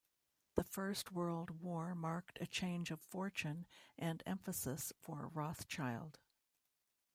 The First World War marked a change of fortune and emphasis for Rothschild.